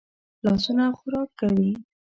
لاسونه خوراک کوي